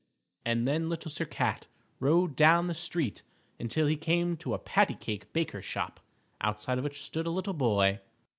And then Little Sir Cat rode down the street until he came to a Pat a Cake Baker Shop, outside of which stood a little boy.